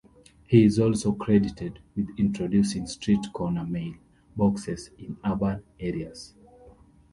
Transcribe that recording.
He is also credited with introducing street corner mail boxes in urban areas.